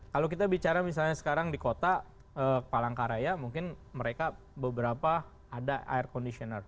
kalau kita bicara misalnya sekarang di kota palangkaraya mungkin mereka beberapa ada air conditioner